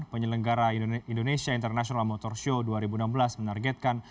penyelenggara indonesia international motor show dua ribu enam belas menargetkan